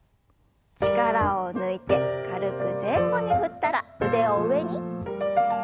力を抜いて軽く前後に振ったら腕を上に。